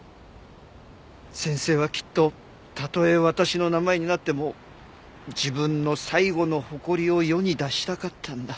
先生はきっとたとえ私の名前になっても自分の最後の誇りを世に出したかったんだ。